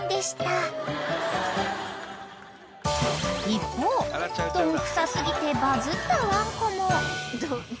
［一方どんくさ過ぎてバズったワンコも］